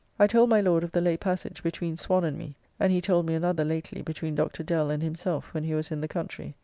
I told my Lord of the late passage between Swan and me, and he told me another lately between Dr. Dell and himself when he was in the country.